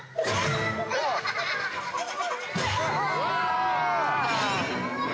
うわ！